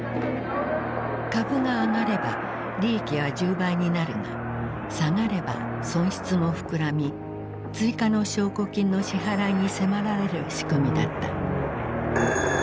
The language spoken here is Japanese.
株が上がれば利益は１０倍になるが下がれば損失も膨らみ追加の証拠金の支払いに迫られる仕組みだった。